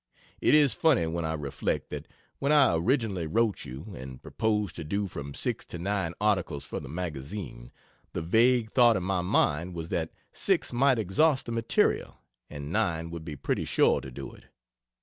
It is funny when I reflect that when I originally wrote you and proposed to do from 6 to 9 articles for the magazine, the vague thought in my mind was that 6 might exhaust the material and 9 would be pretty sure to do it.